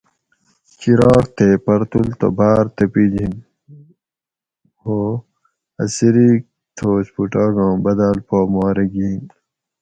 چراغ تے پرتول تہ بار تپیجین ہو ا څریک تھوس پھوٹاگاں بداۤل پا مارہ گین